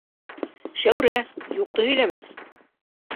Шәүрә, юҡты һөйләмә.